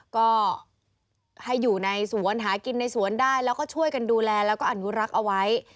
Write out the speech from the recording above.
ก็ให้อยู่ในสวนหากินในสวนได้แล้วก็ช่วยกันดูแลแล้วก็อนุรักษ์เอาไว้